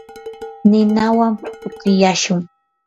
ninawan pukllashun.